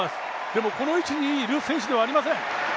でも、この位置にいる選手ではありません。